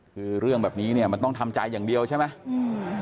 คือเรื่องแบบนี้เนี่ยมันต้องทำใจอย่างเดียวใช่ไหมอืม